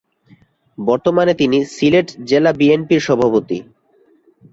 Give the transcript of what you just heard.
বর্তমানে তিনি সিলেট জেলা বিএনপির সভাপতি।